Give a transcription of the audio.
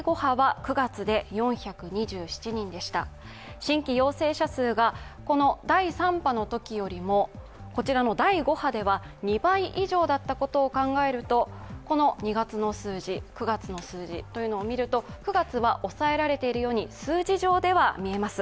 新規陽性者数が第３波のときよりも第５波では２倍以上だったことを考えるとこの２月の数字、９月の数字を見ると、９月は抑えられているように数字上では見えます。